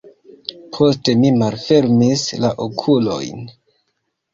Poste mi malfermis la okulojn.